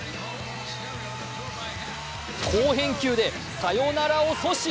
好返球でサヨナラを阻止。